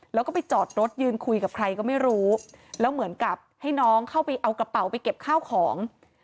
แล้วก็ไปจอดรถยืนคุยกับใครก็ไม่รู้แล้วเหมือนกับให้น้องเข้าไปเอากระเป๋าไปเก็บข้าวของ